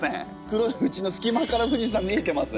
黒いふちの隙間から富士山見えてます。